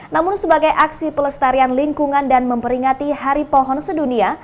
namun sebagai aksi pelestarian lingkungan dan memperingati hari pohon sedunia